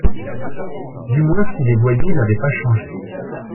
Du moins si les voyous n’avaient pas changé